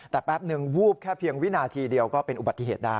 แต่แป๊บนึงวูบแค่เพียงวินาทีเดียวก็เป็นอุบัติเหตุได้